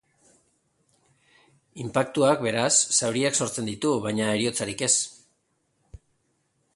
Inpaktuak, beraz, zauriak sortzen ditu, baina heriotzarik ez.